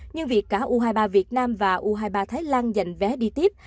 nhưng việc cả u hai mươi ba việt nam và u hai mươi ba thái lan giành vé đi tiếp